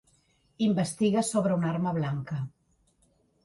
Investiga sobre una arma blanca.